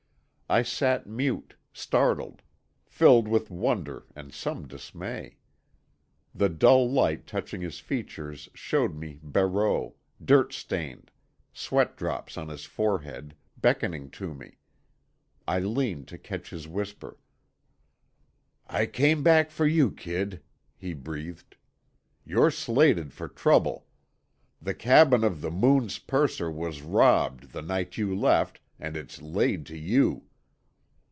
I sat mute, startled, filled with wonder and some dismay. The dull light touching his features showed me Barreau, dirt stained, sweatdrops on his forehead, beckoning to me. I leaned to catch his whisper. "I came back for you, kid," he breathed. "You're slated for trouble. The cabin of the Moon's purser was robbed the night you left, and it's laid to you.